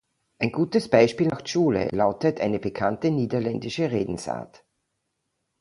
Ein gutes Beispiel macht Schule, lautet eine bekannte niederländische Redensart.